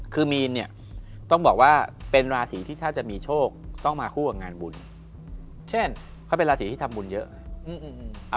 คือมีนเนี่ยต้องบอกว่าเป็นราศีที่ถ้าจะมีโชคต้องมาคู่กับงานบุญเช่นเขาเป็นราศีที่ทำบุญเยอะ